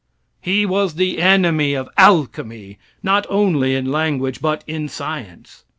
He was the enemy of alchemy, not only in language, but in science.